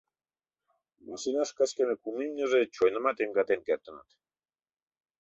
Машинаш кычкыме кум имньыже чойнымат эмгатен кертыныт.